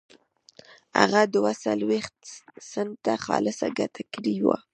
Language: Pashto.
هغه دوه څلوېښت سنټه خالصه ګټه کړې وه.